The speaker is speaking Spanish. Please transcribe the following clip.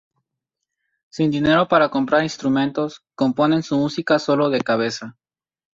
Sin dinero para comprar instrumentos, componen su música solo de cabeza.